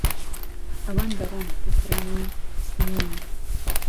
ئەوان دەڕۆن بۆ کرینی سەموون.